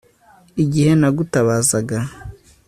igihe nagutabazaga